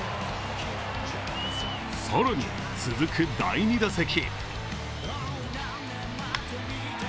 更に続く第２打席。